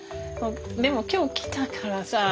でも今日来たからさ。